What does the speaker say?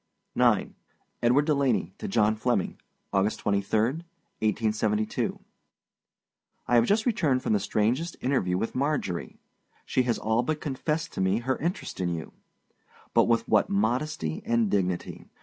IX. EDWARD DELANEY TO JOHN FLEMMING. August 23, 1872. I have just returned from the strangest interview with Marjorie. She has all but confessed to me her interest in you. But with what modesty and dignity!